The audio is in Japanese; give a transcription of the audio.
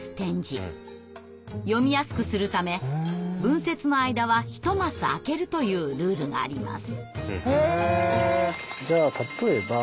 読みやすくするため文節の間は１マス空けるというルールがあります。